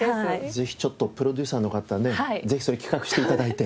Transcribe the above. ぜひちょっとプロデューサーの方ねぜひそれ企画して頂いて。